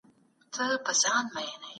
خواږه شیان غاښونه توروي.